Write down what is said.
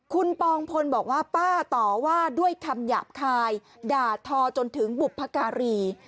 คุณปองพลบอกว่าป้าต่อว่าด้วยคำหยาบคายด่าทอจนถึงบุพการี